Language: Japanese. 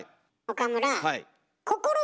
岡村